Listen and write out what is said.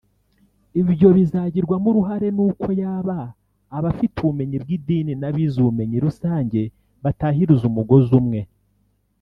Ibyo bizagirwamo uruhare n’uko yaba abafite ubumenyi bw’idini n’abize ubumenyi rusange batahiriza umugozi umwe